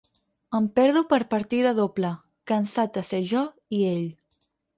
Em perdo per partida doble, cansat de ser jo i ell.